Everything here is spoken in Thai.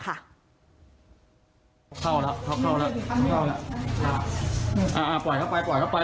เขาเข้าแล้วเข้าเข้าแล้วไม่เอาแล้วอ่าปล่อยเข้าไปปล่อยเข้าไป